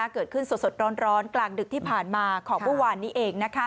เกิดขึ้นสดร้อนกลางดึกที่ผ่านมาของเมื่อวานนี้เอง